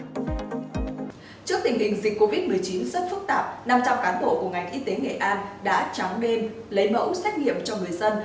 trước tình hình dịch covid một mươi chín rất phức tạp năm trăm linh cán bộ của ngành y tế nghệ an đã trắng đêm lấy mẫu xét nghiệm cho người dân